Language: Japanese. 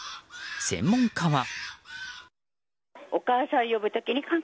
専門家は。